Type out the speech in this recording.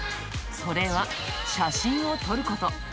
それは写真を撮ること。